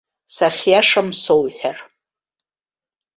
Сахьиашам соуҳәар.